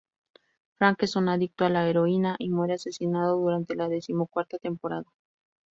Frank es un adicto a la heroína y muere asesinado durante la decimocuarta temporada.